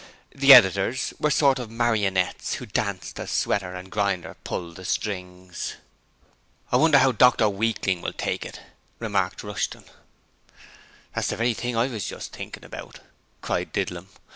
The editors were a sort of marionettes who danced as Sweater and Grinder pulled the strings. 'I wonder how Dr Weakling will take it?' remarked Rushton. 'That's the very thing I was just thinkin' about,' cried Didlum.